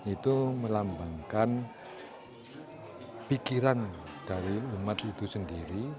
itu melambangkan pikiran dari umat itu sendiri